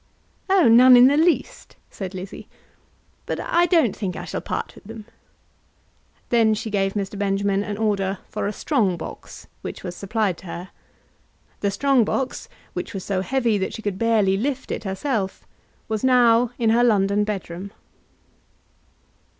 "Oh, none in the least," said Lizzie; "but I don't think I shall part with them." Then she gave Mr. Benjamin an order for a strong box, which was supplied to her. The strong box, which was so heavy that she could barely lift it herself, was now in her London bedroom.